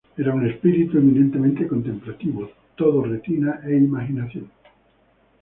Era un espíritu eminentemente contemplativo: todo retina e imaginación".